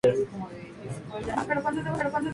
Tras el compromiso apenas si tuvo papel político.